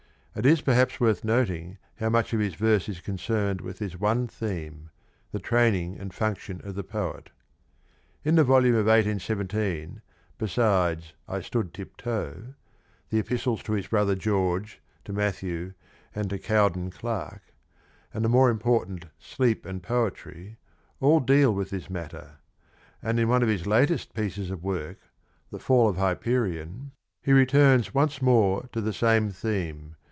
It is perhaps worth noting how much of his verse is concerned with this one theme — the training and function of the poet. In the volume of 181 7, besides " I stood tiptoe," the epistles to his brother George, to Mathew, 1 Letter to Charles Cowdon Clarke, Dec, 1816. and to Cowden Clarke, and the more important Sleep and Poetry, all deal with this matter ; and in one of his latest pieces of work, The Fall of Hyperion, he returns once more to the same theme.